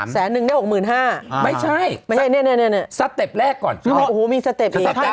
แสนหนึ่งได้๖หมื่น๕ไม่ใช่สเต็ปแรกก่อนมีสเต็ปอีก